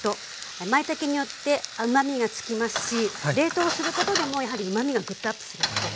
まいたけによって甘みがつきますし冷凍することでもやはりうまみがぐっとアップするので。